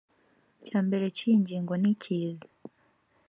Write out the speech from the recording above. cya mbere cy iyi ngingo nikiza